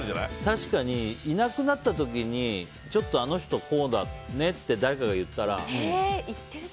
確かにいなくなった時にちょっとあの人こうだねって誰かが言ったら。